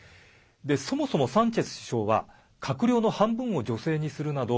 そもそもサンチェス首相は閣僚の半分を女性にするなど